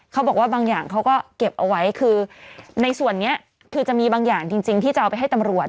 เขาบอกว่าบางอย่างเขาก็เก็บเอาไว้คือในส่วนนี้คือจะมีบางอย่างจริงที่จะเอาไปให้ตำรวจ